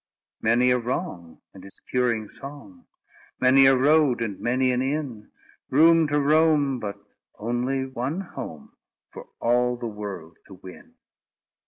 Many a wrong, and its curing song; Many a road, and many an inn; Room to roam, but only one home For all the world to win.